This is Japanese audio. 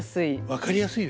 分かりやすいですね。